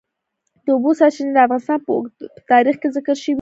د اوبو سرچینې د افغانستان په اوږده تاریخ کې ذکر شوی دی.